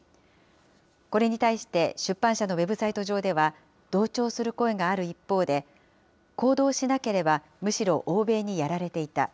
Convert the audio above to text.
これに対して、出版社のウェブサイト上では、同調する声がある一方で、行動しなければむしろ欧米にやられていた。